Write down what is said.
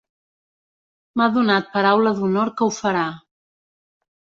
M'ha donat paraula d'honor que ho farà.